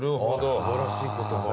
素晴らしい言葉。